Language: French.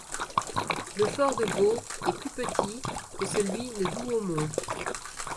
Le fort de Vaux est plus petit que celui de Douaumont.